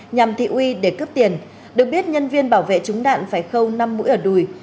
nhằm thị uy để cướp tiền được biết nhân viên bảo vệ chúng đạn phải khâu năm mũi ở đùi